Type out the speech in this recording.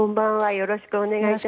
よろしくお願いします。